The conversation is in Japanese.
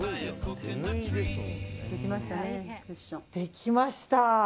できました！